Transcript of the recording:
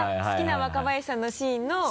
好きな若林さんのシーンの？